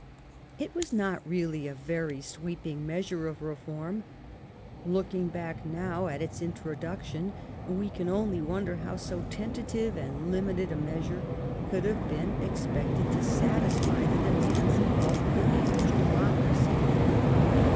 It was not really a very sweeping measure of reform. Looking back now at its introduction, one can only wonder how so tentative and limited a meas ure could have been expected to satisfy the de mands of the English democracy.